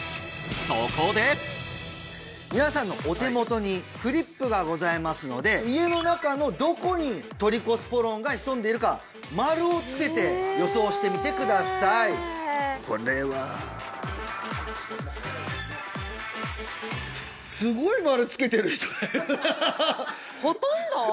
そこで皆さんのお手元にフリップがございますので家の中のどこにトリコスポロンが潜んでいるか丸をつけて予想をしてみてくださいこれはほとんど！？